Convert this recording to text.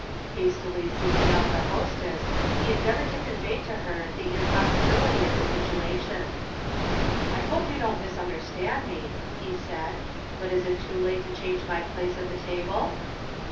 Hastily seeking out the hostess he endeavored to convey to her the impossibility of the situation. "I hope you won't misunderstand me," he said. "But is it too late to change my place at the table?"